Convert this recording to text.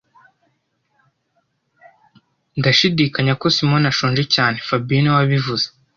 Ndashidikanya ko Simoni ashonje cyane fabien niwe wabivuze